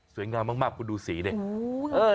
สวยงามมากคุณดูสีเนี่ย